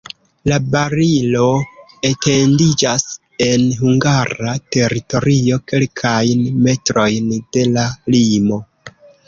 La barilo etendiĝas en hungara teritorio kelkajn metrojn de la limo.